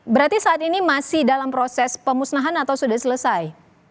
berarti saat ini masih dalam proses pemusnahan atau sudah selesai